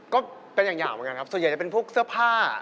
ก็เป็นอย่างยาวมากันครับส่วนใหญ่เป็นผูกเสื้อผ้า